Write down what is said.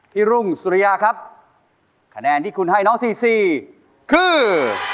รุ่งสุริยาครับคะแนนที่คุณให้น้องซีซีคือ